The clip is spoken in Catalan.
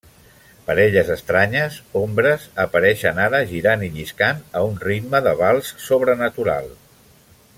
Parelles estranyes, ombres, apareixen ara girant i lliscant a un ritme de vals sobrenatural.